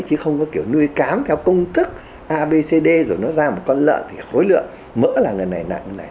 chứ không có kiểu nuôi cám theo công thức a b c d rồi nó ra một con lợn thì khối lượng mỡ là ngần này nặng là ngần này